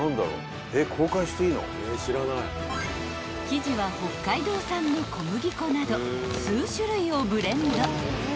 ［生地は北海道産の小麦粉など数種類をブレンド］